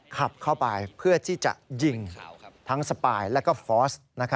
ขับเข้าไปเพื่อที่จะยิงทั้งสปายแล้วก็ฟอส